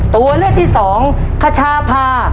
ตัวเลือกที่สองคชาพา